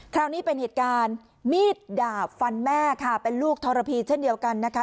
คราวนี้เป็นเหตุการณ์มีดดาบฟันแม่ค่ะเป็นลูกทรพีเช่นเดียวกันนะคะ